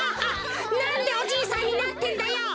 なんでおじいさんになってんだよ！